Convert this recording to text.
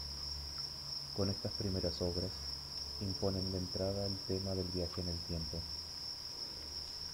Con estas primeras obras, imponen de entrada el tema del viaje en el tiempo.